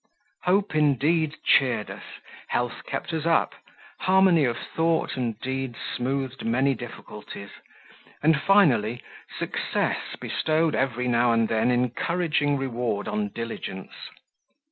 Hope indeed cheered us; health kept us up; harmony of thought and deed smoothed many difficulties, and finally, success bestowed every now and then encouraging reward on diligence.